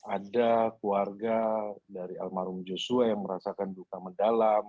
ada keluarga dari almarhum joshua yang merasakan duka mendalam